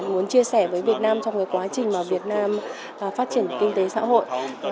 muốn chia sẻ với việt nam trong quá trình việt nam phát triển kinh tế xã hội